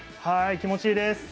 気持ちいいです。